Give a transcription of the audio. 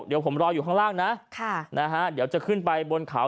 เดี๋ยวผมรออยู่ข้างล่างนะเดี๋ยวจะขึ้นไปบนเขา